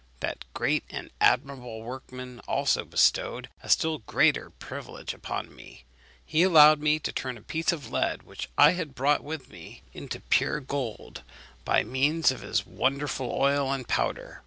That great and admirable workman also bestowed a still greater privilege upon me he allowed me turn a piece of lead which I had brought with me into pure gold, by means of his wonderful oil and powder.